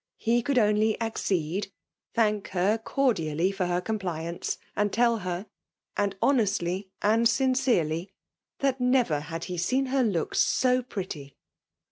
He could only accede, thank her cordially for her compliance, and tell her — and honestly and sincerely — that never had he seen her look so pretty.